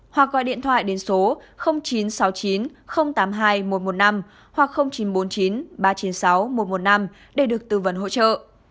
hoặc gọi điện thoại đến số chín trăm sáu mươi chín tám mươi hai một trăm một mươi năm hoặc chín trăm bốn mươi chín ba trăm chín mươi sáu một trăm một mươi năm để được tư vấn hỗ trợ